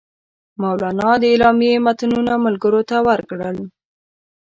مولنا د اعلامیې متنونه ملګرو ته ورکړل.